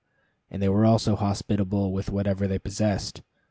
And they were also hospitable with whatever they possessed.